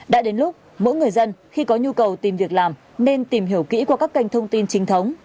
đã đến lúc mỗi người dân khi có nhu cầu tìm việc làm nên tìm hiểu kỹ qua các kênh thông tin chính thống